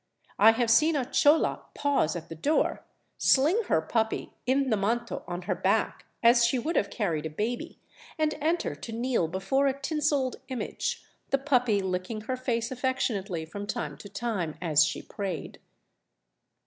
I have seen a chola pause at the door, sling her puppy in the manto on her back, as she would have carried a baby, and enter to kneel before a tinselled image, the puppy licking her face affectionately from time to time as she prayed.